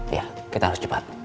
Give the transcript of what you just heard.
iya kita harus cepat